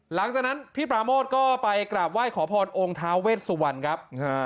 หลังจากนั้นพี่ปราโมทก็ไปกราบไหว้ขอพรองค์ท้าเวชสุวรรณครับ